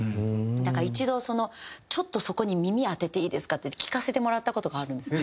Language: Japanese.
だから一度「ちょっとそこに耳当てていいですか？」って聴かせてもらった事があるんです。